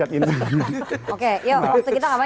waktu kita tidak banyak sih